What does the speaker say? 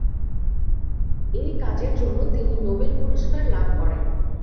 এই কাজের জন্য তিনি নোবেল পুরস্কার লাভ করেন।